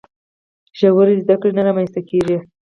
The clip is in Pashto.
ژورې زده کړې نه رامنځته کیږي.